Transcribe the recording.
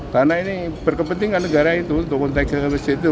karena ini berkepentingan negara itu untuk konteks kepresiden itu